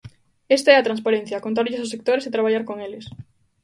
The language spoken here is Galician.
Esta é a transparencia: contarlles aos sectores e traballar con eles.